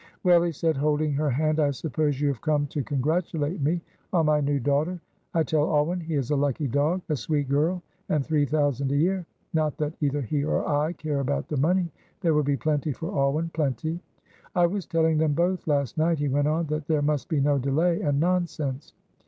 "Well," he said, holding her hand, "I suppose you have come to congratulate me on my new daughter. I tell Alwyn he is a lucky dog. A sweet girl and three thousand a year. Not that either he or I care about the money, there will be plenty for Alwyn, plenty. I was telling them both last night," he went on, "that there must be no delay and nonsense.